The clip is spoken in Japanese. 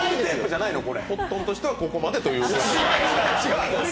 コットンとしてはここまでと。